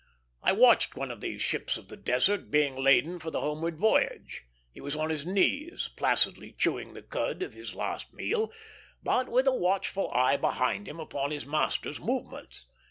I watched one of these ships of the desert being laden for the homeward voyage. He was on his knees, placidly chewing the cud of his last meal, but with a watchful eye behind him upon his master's movements.